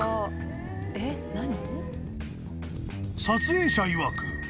［撮影者いわく］